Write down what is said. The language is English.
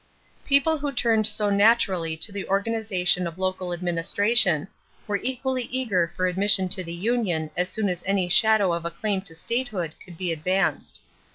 People who turned so naturally to the organization of local administration were equally eager for admission to the union as soon as any shadow of a claim to statehood could be advanced.